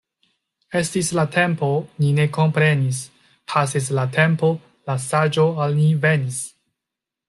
Estis la tempo, ni ne komprenis — pasis la tempo, la saĝo al ni venis.